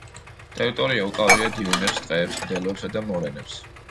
ტერიტორია უკავია დიუნებს, ტყეებს, მდელოებსა და მორენებს.